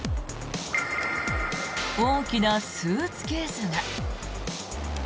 大きなスーツケースが。